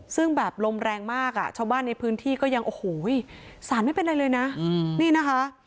ซึ่งแบบลมแรงมากอ่ะชาวบ้านในพื้นที่ก็ยังโอ้โหสารไม่เป็นอะไรเลยนะนี่นะคะ